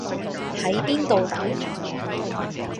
喺邊度等